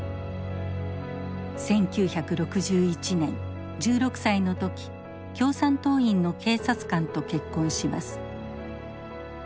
１９６１年１６歳の時共産党員の警察官と結婚します。